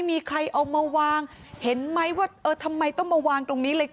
มีใครเอามาวางเห็นไหมว่าเออทำไมต้องมาวางตรงนี้เลย